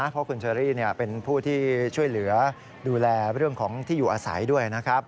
เพราะคุณเชอรี่เป็นผู้ที่ช่วยเหลือดูแลเรื่องของที่อยู่อาศัยด้วยนะครับ